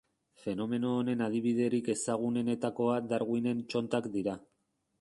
Fenomeno honen adibiderik ezagunenetakoa Darwinen txontak dira.